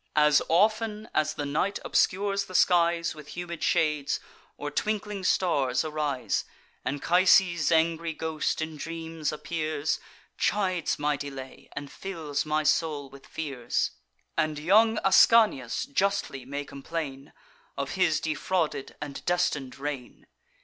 As often as the night obscures the skies With humid shades, or twinkling stars arise, Anchises' angry ghost in dreams appears, Chides my delay, and fills my soul with fears; And young Ascanius justly may complain Of his defrauded and destin'd reign.